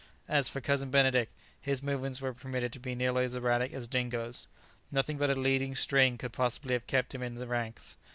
As for Cousin Benedict, his movements were permitted to be nearly as erratic as Dingo's; nothing but a leading string could possibly have kept him in the ranks.